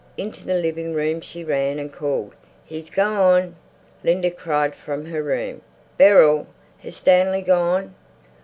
Into the living room she ran and called "He's gone!" Linda cried from her room: "Beryl! Has Stanley gone?"